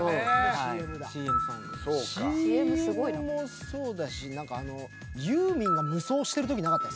ＣＭもそうだし何かユーミンが無双してるときなかったですか？